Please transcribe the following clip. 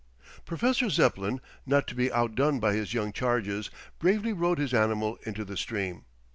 Professor Zepplin, not to be outdone by his young charges, bravely rode his animal into the stream.